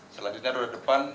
selanjutnya ruang depan